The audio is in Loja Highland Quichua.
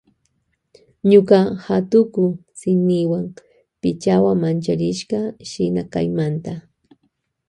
Ñuka hatuku tsiniwan pichawan mancharishka shina kaymanta.